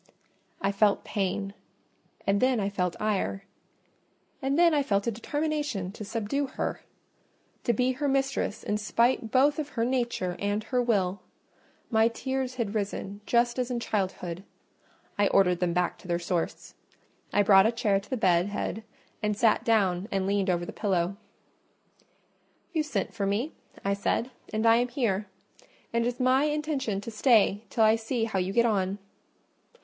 I felt pain, and then I felt ire; and then I felt a determination to subdue her—to be her mistress in spite both of her nature and her will. My tears had risen, just as in childhood: I ordered them back to their source. I brought a chair to the bed head: I sat down and leaned over the pillow. "You sent for me," I said, "and I am here; and it is my intention to stay till I see how you get on."